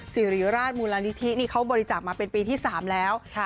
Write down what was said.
สิริราชมูลนิธินี่เขาบริจาคมาเป็นปีที่๓แล้ว